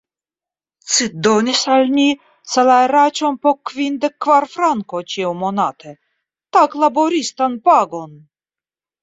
Ci donis al ni salajraĉon po kvindek kvar frankoj ĉiumonate, taglaboristan pagon!